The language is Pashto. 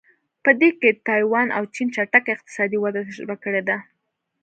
په دې کې تایوان او چین چټکه اقتصادي وده تجربه کړې ده.